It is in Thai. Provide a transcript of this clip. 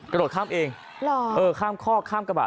กระโดดข้ามเองหรอเออข้ามคอกข้ามกระบะ